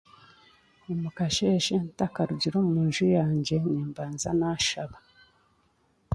Omukasheeshe ntakarugire omu nju yangye nimbanza naashaba.